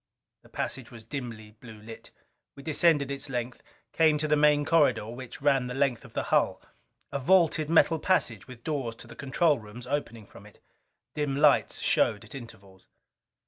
The passage was dimly blue lit. We descended its length, came to the main corridor, which ran the length of the hull. A vaulted metal passage, with doors to the control rooms opening from it. Dim lights showed at intervals.